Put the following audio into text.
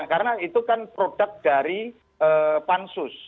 karena itu kan produk dari pansus